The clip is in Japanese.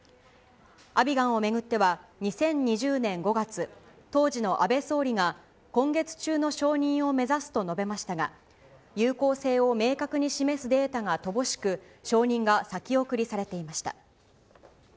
アビガンを巡っては、２０２０年５月、当時の安倍総理が、今月中の承認を目指すと述べましたが、有効性を明確に示すデータが乏しく、承認が先送りされていました。